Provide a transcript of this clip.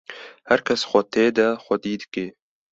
her kes xwe tê de xwedî dike